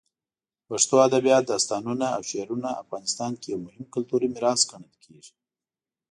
پښتو ادبیات، داستانونه، او شعرونه افغانستان کې یو مهم کلتوري میراث ګڼل کېږي.